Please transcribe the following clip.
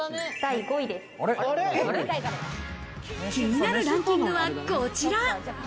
気になるランキングは、こちら。